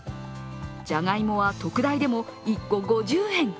じゃがいもは特大でも１個５０円。